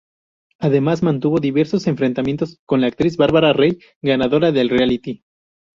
Además, mantuvo diversos enfrentamientos con la actriz Bárbara Rey, ganadora del reality.